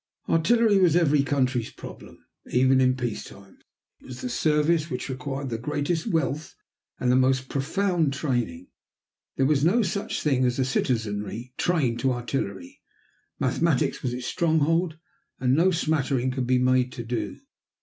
Artillery was every country's problem, even in peace times. It was the service which required the greatest wealth and the most profound training. There was no such thing as a citizenry trained to artillery. Mathematics was its stronghold, and no smattering could be made to do.